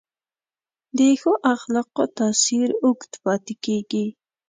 د ښو اخلاقو تاثیر اوږد پاتې کېږي.